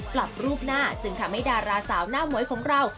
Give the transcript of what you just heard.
ปรับรูปหน้าจึงทำให้ดาราสาวหน้าหมวยของเรา